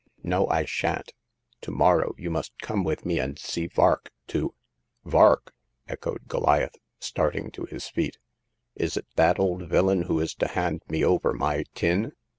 No, I shan't! To morrow you must come with me and see Vark, to "Vark !" echoed Goliath, starting to his feet ;'* is it that old villain who is to hand me over my tin?"